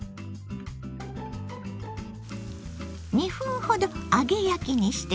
２分ほど揚げ焼きにしてね。